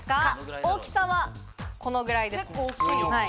大きさはこのくらいです。